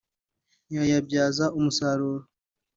ntiyayabyaza umusaruro